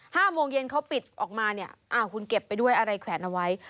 ห้าโมงเย็นเขาปิดออกมาเนี่ยอ้าวคุณเก็บไปด้วยอะไรแขวนเอาไว้